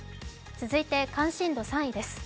続いて関心度３位です。